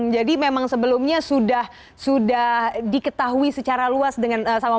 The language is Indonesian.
jadi memang sebelumnya sudah diketahui secara luas sama masyarakat